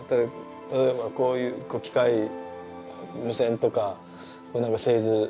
例えばこういう機械無線とか製図したりとか。